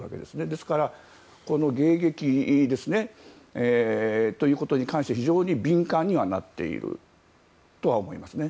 ですから迎撃ということに関して非常に敏感にはなっているとは思いますね。